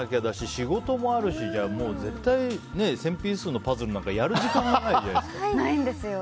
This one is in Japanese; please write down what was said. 仕事もあるしじゃ１０００ピースのパズルなんかやる時間ないじゃないですか。